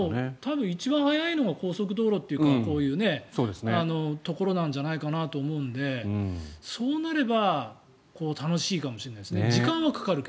一番早いのが高速道路というかこういうところなんじゃないかと思うのでそうなれば楽しいかもしれないですね。